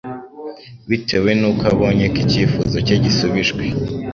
bitewe n’uko abonye ko icyifuzo cye gisubijwe